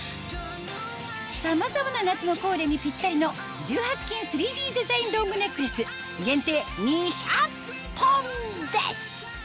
さまざまな夏のコーデにピッタリの１８金３Ｄデザインロングネックレス限定２００本です！